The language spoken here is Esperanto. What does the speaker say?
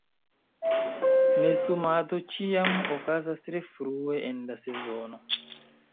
Nestumado ĉiam okazas tre frue en la sezono.